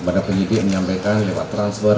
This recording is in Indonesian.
pada penyidik menyampaikan lewat transfer